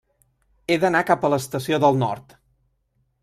He d'anar cap a l'Estació del Nord.